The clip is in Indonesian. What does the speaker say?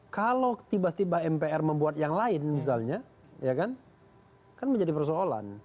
kalau tiba tiba mpr membuat yang lain misalnya ya kan menjadi persoalan